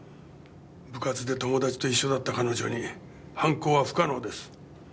部活で友達と一緒だった彼女に犯行は不可能です。